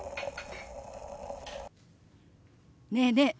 ねえねえ